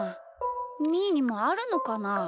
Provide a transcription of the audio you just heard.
みーにもあるのかな？